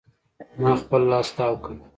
ما خپل لاس تاو کړ.